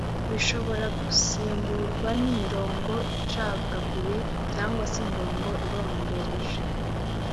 bishobora gusimburwa n’imirongo icagaguye cg se imirongo irombereje